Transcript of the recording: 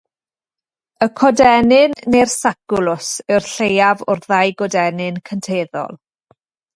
Y codennyn, neu'r sacwlws, yw'r lleiaf o'r ddau godennyn cynteddol.